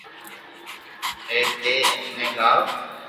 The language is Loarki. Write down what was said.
اي ني ايني لاو